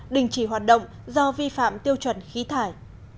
đình chỉ hoạt động do vi phạm tiêu chuẩn khí thải